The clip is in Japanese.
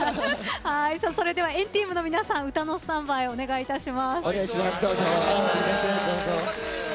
それでは＆ＴＥＡＭの皆さん歌のスタンバイお願いいたします。